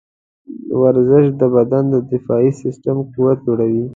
ورزش د بدن د دفاعي سیستم قوت لوړوي.